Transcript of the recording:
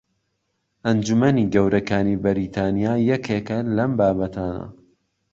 ئەنجومەنی گەورەکانی بەریتانیا یەکێکە لەم بابەتانە